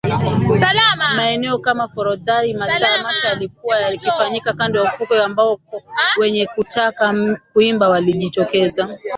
Maeneo kama Forodhani matamasha yaliyokuwa yakifanyika kando ya ufukwe ambako wenye kutaka kuimba walijitokeza